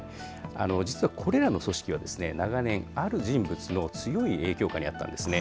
実はこれらの組織は、長年、ある人物の強い影響下にあったんですね。